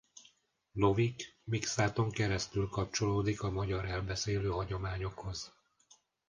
Lovik Mikszáthon keresztül kapcsolódik a magyar elbeszélő hagyományokhoz.